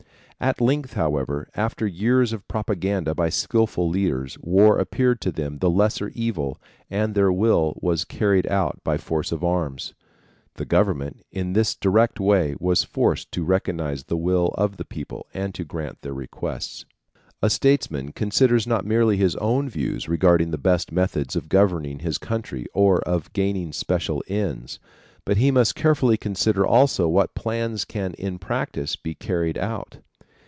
At length, however, after years of propaganda by skilful leaders war appeared to them the lesser evil and their will was carried out by force of arms. The government, in this direct way, was forced to recognize the will of the people and to grant their requests. A statesman considers not merely his own views regarding the best methods of governing his country or of gaining special ends, but he must carefully consider also what plans can in practice be carried out.